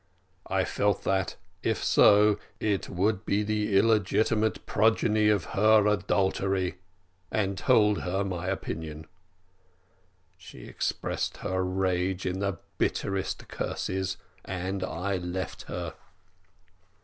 I felt that, if so, it would be the illegitimate progeny of her adultery, and told her my opinion. She expressed her rage in the bitterest curses, and I left her.